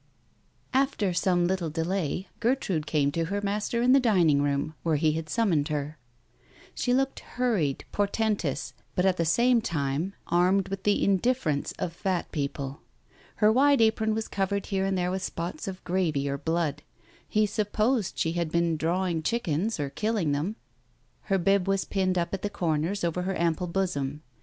After some little delay, Gertrude came to her master in the dining room where he had summoned her. She looked hurried, portentous, but at the same time, armed with the indifference of fat people. Her wide apron was covered here and there with spots of gravy or blood ; he supposed she had been "drawing" chickens or killing them. Her bib was pinned up at the corners over her ample bosom.